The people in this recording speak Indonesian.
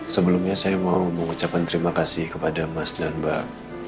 sebelumnya saya mau mengucapkan terima kasih kepada mas dan mbak